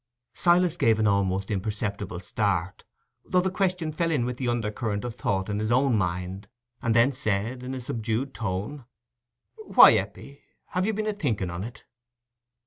Silas gave an almost imperceptible start, though the question fell in with the under current of thought in his own mind, and then said, in a subdued tone, "Why, Eppie, have you been a thinking on it?"